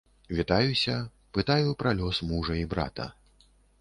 Вітаюся, пытаю пра лёс мужа і брата.